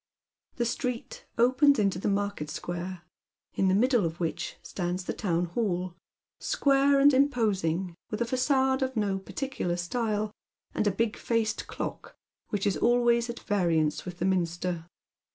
The street oj^ens into the market square, in the middle of which stands the town hall, square and imposing, with a facade of no particular style, and a big faced clock whieh is always at variance with the nn'nster.